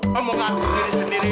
kamu ngaku diri sendiri